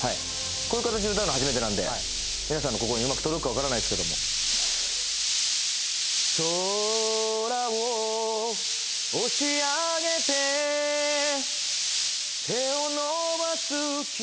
はいこういう形で歌うのは初めてなんで皆さんの心にうまく届くか分からないですけども空を押し上げて手を伸ばす君